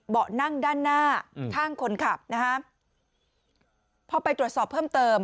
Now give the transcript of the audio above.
นั่งด้านหน้าข้างคนขับนะฮะพอไปตรวจสอบเพิ่มเติม